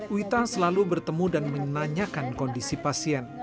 wita selalu bertemu dan menanyakan kondisi pasien